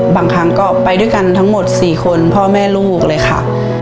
บางครั้งก็ไปด้วยกันทั้งหมด๔คนพ่อแม่ลูกเลยค่ะ